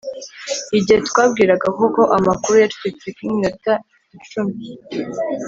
igihe twabwiraga koko amakuru, yacecetse nk'iminota icumi